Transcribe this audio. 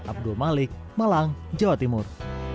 abdul malik malang jawa timur